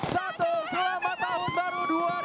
selamat tahun baru